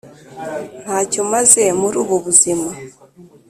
Ntacyo maze muri ubu buzima